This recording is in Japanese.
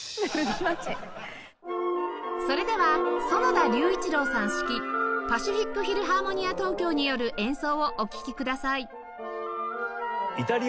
それでは園田隆一郎さん指揮パシフィックフィルハーモニア東京による演奏をお聴きください